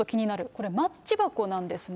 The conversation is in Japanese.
これ、マッチ箱なんですね。